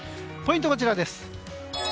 ポイントはこちらです。